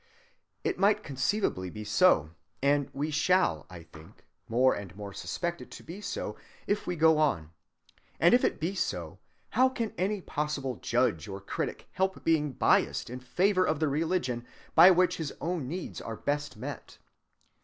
It might conceivably be so; and we shall, I think, more and more suspect it to be so as we go on. And if it be so, how can any possible judge or critic help being biased in favor of the religion by which his own needs are best met?